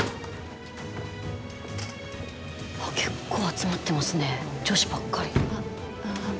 結構集まってますね女子ばっかり。